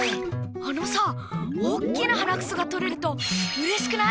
あのさおっきなはなくそがとれるとうれしくない？